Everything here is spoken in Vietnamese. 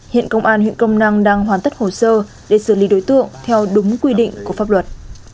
hiện công an huyện công năng đang hoàn tất hồ sơ để xử lý đối tượng theo đúng quy định của pháp luật